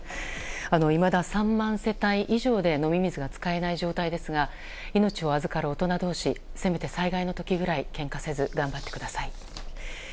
いまだ３万世帯以上で飲み水が使えない状態ですが命を預かる大人同士せめて災害の時ぐらいけんかせず頑張ってください。